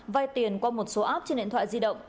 vay tiền qua một số app trên điện thoại di động